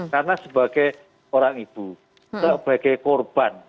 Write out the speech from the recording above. karena sebagai orang ibu sebagai korban